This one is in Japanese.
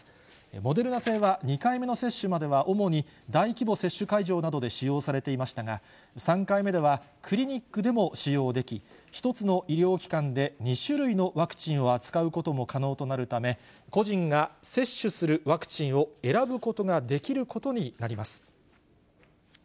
モデルナ製は、２回目の接種までは主に大規模接種会場などで使用されていましたが、３回目ではクリニックでも使用でき、１つの医療機関で２種類のワクチンを扱うことも可能となるため、個人が、接種するワクチンを選ぶことができることになります。